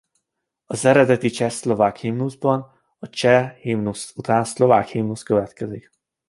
Az eredeti csehszlovák himnuszban a cseh himnusz után a szlovák himnusz következik.